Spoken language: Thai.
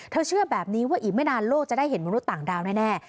เชื่อแบบนี้ว่าอีกไม่นานโลกจะได้เห็นมนุษย์ต่างดาวแน่